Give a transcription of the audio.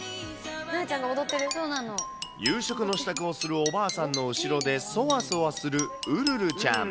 夕食の支度をするおばあさんの後ろでそわそわするウルルちゃん。